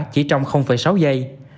chỉ trong sáu giây